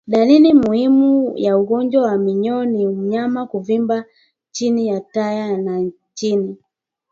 Dalili muhimu ya ugonjwa wa minyoo ni mnyama kuvimba chini ya taya la chini